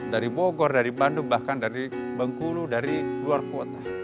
dari bogor dari bandung bahkan dari bengkulu dari luar kota